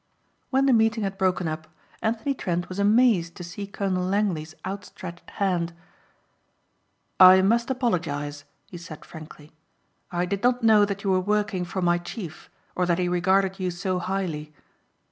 When the meeting had broken up Anthony Trent was amazed to see Colonel Langley's outstretched hand. "I must apologize," he said frankly, "I did not know that you were working for my chief or that he regarded you so highly.